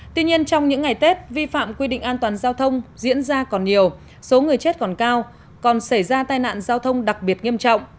tuy nhiên trong những ngày tết vi phạm quy định an toàn giao thông diễn ra còn nhiều số người chết còn cao còn xảy ra tai nạn giao thông đặc biệt nghiêm trọng